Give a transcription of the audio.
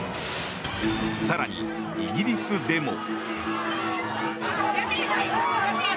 更にイギリスでも。